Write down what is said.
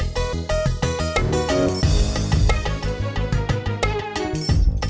cari pakaian yang bersih buat dia